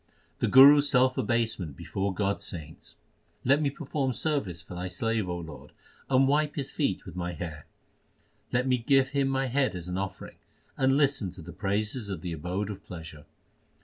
1 The Guru s self abasement before God s saints : Let me perform service for Thy slave, O Lord : and wipe his feet with my hair. Let me give him my head as an offering, and listen to the praises of the Abode of pleasure.